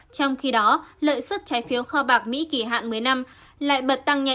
trong khi đó lợi xuất trái phiếu kho bạc mỹ kỷ hạn một mươi năm lại bật tăng nhẹ